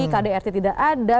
kdrt tidak ada